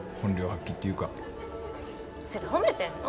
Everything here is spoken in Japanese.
それ褒めてんの？